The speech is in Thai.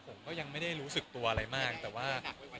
ผมก็ยังไม่ได้รู้สึกตัวอะไรมากแต่ว่า